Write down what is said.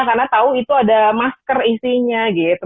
karena tahu itu ada masker isinya gitu